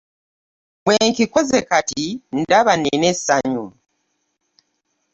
Bwe nkikoze kati ndaba nnina essanyu.